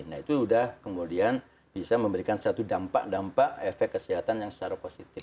nah itu sudah kemudian bisa memberikan satu dampak dampak efek kesehatan yang secara positif